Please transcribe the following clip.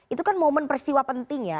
itu kan momen peristiwa penting ya